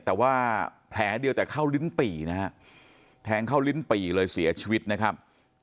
แต่ว่าแผลเดียวแต่เข้าลิ้นปี่นะฮะแทงเข้าลิ้นปี่เลยเสียชีวิตนะครับ